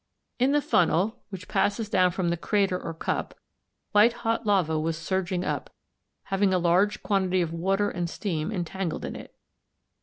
] In the funnel a which passes down from the crater or cup b, b, white hot lava was surging up, having a large quantity of water and steam entangled in it.